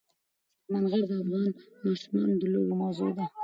سلیمان غر د افغان ماشومانو د لوبو موضوع ده.